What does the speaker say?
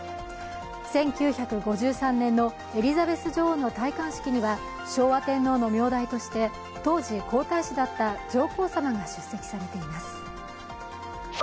１９５３年のエリザベス女王の戴冠式には昭和天皇の名代として、当時皇太子だった上皇さまが出席されています。